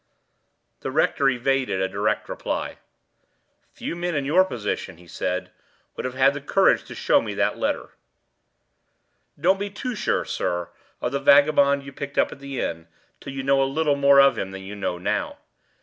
The rector evaded a direct reply. "Few men in your position," he said, "would have had the courage to show me that letter." "Don't be too sure, sir, of the vagabond you picked up at the inn till you know a little more of him than you know now.